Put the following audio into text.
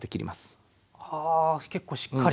はあ結構しっかり。